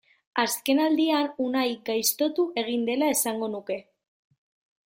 Azkenaldian Unai gaiztotu egin dela esango nuke.